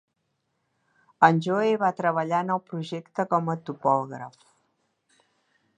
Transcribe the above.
En Joe va treballar en el projecte com a topògraf.